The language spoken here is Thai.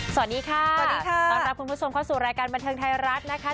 สวัสดีค่ะสวัสดีค่ะต้อนรับคุณผู้ชมเข้าสู่รายการบันเทิงไทยรัฐนะคะ